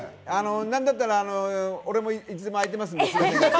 なんだったら俺もいつでも空いてますんで。